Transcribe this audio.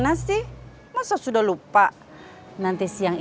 nanti tas uek mengakui gimana ini bang